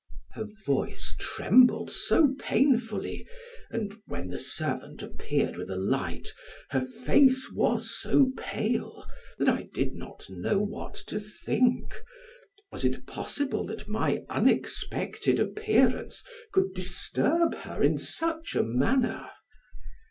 Her voice trembled so painfully, and when the servant appeared with a light, her face was so pale that I did not know what to think. Was it possible that my unexpected appearance could disturb her in such a manner?